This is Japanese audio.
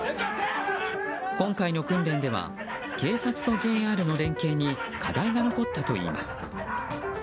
今回の訓練では警察とＪＲの連携に課題が残ったといいます。